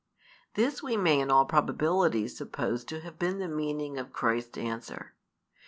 This we may in all probability suppose to have been the meaning of Christ's answer.